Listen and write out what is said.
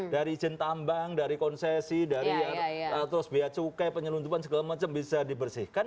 dari izin tambang dari konsesi dari terus biaya cukai penyelundupan segala macam bisa dibersihkan